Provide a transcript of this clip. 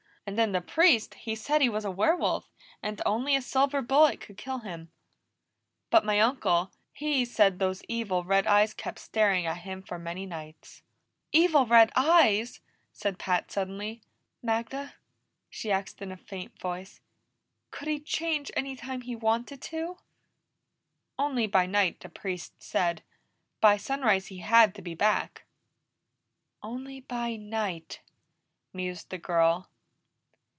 And then the Priest, he said he was a werewolf, and only a silver bullet could kill him. But my uncle, he said those evil red eyes kept staring at him for many nights." "Evil red eyes!" said Pat suddenly. "Magda," she asked in a faint voice, "could he change any time he wanted to?" "Only by night, the Priest said. By sunrise he had to be back." "Only by night!" mused the girl.